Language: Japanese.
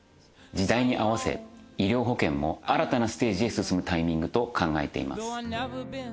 時代に合わせ医療保険も新たなステージへ進むタイミングと考えています。